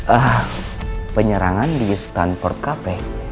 ah penyerangan di stanford cafe